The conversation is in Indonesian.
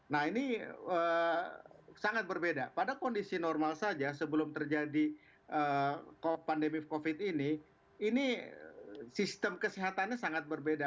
nah ini sangat berbeda pada kondisi normal saja sebelum terjadi pandemi covid ini ini sistem kesehatannya sangat berbeda